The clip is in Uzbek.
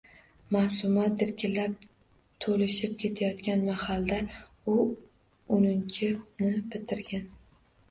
Maʼsuma dirkillab, toʼlishib kelayotgan mahalda u oʼninchini bitirgan